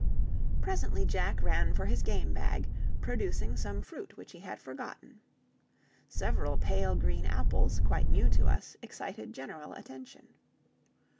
Presently Jack ran for his game bag, producing some fruit which he had forgotten. Several pale green apples, quite new to us, excited general attention.